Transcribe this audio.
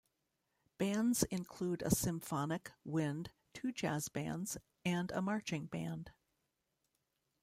Bands include a symphonic, wind, two jazz bands, and a marching band.